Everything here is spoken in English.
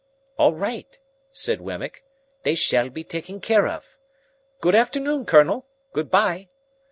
"All right," said Wemmick, "they shall be taken care of. Good afternoon, Colonel. Good bye!"